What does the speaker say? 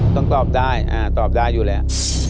ต้องตอบได้ตอบได้อยู่แล้ว